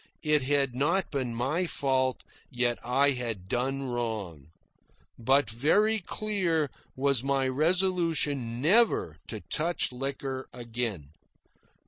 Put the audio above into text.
It had not been my fault, yet I had done wrong. But very clear was my resolution never to touch liquor again.